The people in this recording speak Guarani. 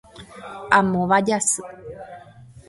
Amóva Jasy